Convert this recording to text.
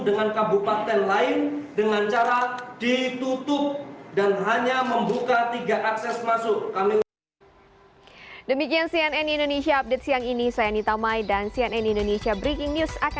dengan kabupaten lain dengan cara ditutup dan hanya membuka tiga akses masuk